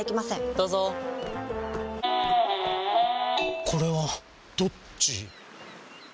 どうぞこれはどっち？